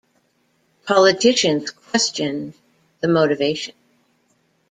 Politicians questioned the motivation.